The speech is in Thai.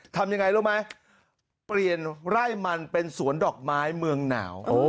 ทำยังไงรู้ไหมเปลี่ยนไร่มันเป็นสวนดอกไม้เมืองหนาว